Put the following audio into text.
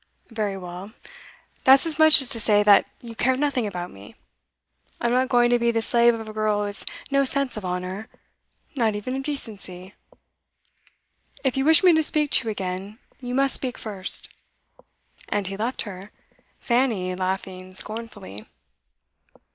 'Very well. That's as much as to say that you care nothing about me. I'm not going to be the slave of a girl who has no sense of honour not even of decency. If you wish me to speak to you again you must speak first.' And he left her, Fanny laughing scornfully.